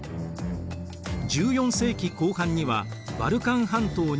１４世紀後半にはバルカン半島に進出します。